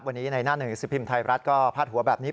วันนี้ในหน้าหนึ่งสิบพิมพ์ไทยรัฐก็พาดหัวแบบนี้